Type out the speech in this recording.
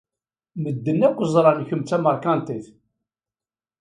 Medden akk ẓran kemm d tameṛkantit.